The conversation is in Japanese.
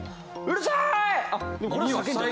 うるさーい！！